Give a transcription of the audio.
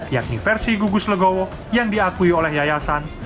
yakni versi gugus legowo yang diakui oleh yayasan